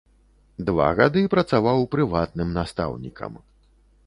Два гады працаваў прыватным настаўнікам.